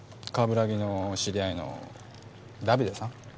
鏑木の知り合いのダビデさん？